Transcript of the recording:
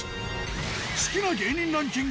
好きな芸人ランキング